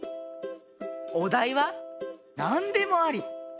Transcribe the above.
おだいはなんでもあり。